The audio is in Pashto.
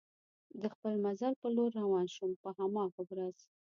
د خپل مزل په لور روان شوم، په هماغه ورځ.